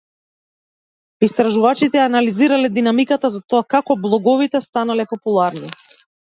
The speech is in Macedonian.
Истражувачите ја анализирале динамиката за тоа како блоговите станале популарни.